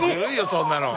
そんなの。